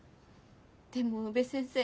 でも宇部先生